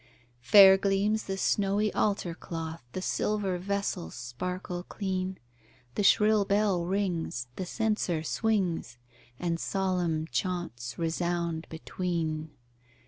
Fair gleams the snowy altar cloth, The silver vessels sparkle clean, The shrill bell rings, the censer swings, And solemn chaunts resound between.